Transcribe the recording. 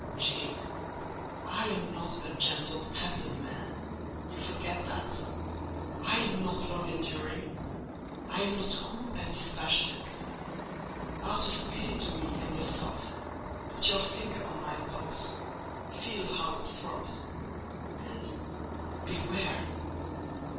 "Jane, I am not a gentle tempered man—you forget that: I am not long enduring; I am not cool and dispassionate. Out of pity to me and yourself, put your finger on my pulse, feel how it throbs, and—beware!"